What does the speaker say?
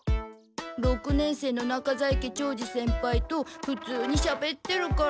六年生の中在家長次先輩とふつうにしゃべってるから。